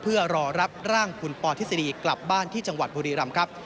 เพื่อรอรับร่างคุณปอทฤษฎีกลับบ้านที่จังหวัดบุรีรำครับ